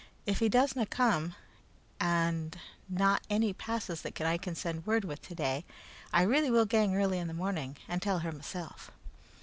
If he does na come, and na ane passes that I can send word with today, I really will gang early in the morning and tell her mysel'."